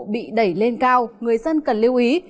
bị đẩy lên cao người dân cần lưu ý